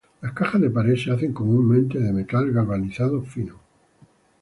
Las cajas de pared se hacen comúnmente de metal galvanizado fino.